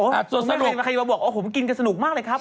อ๋อคุณแม่ค่อยมาบอกผมกินกันสนุกมากเลยครับ